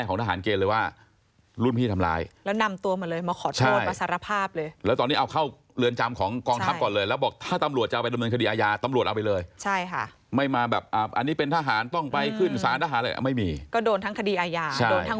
เฉพาะในเรื่องการสร้างเงื่อนไขต่าง